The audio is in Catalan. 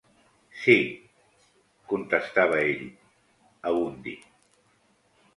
-Sí…- contestava ell, Abundi.